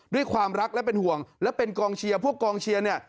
ด้วยความรักและเป็นห่วงและเป็นกองเชียร์พวกกองเชียร์เนี่ย